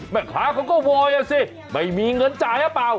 แม่ค้าเขาก็โวยอ่ะสิไม่มีเงินจ่ายหรือเปล่า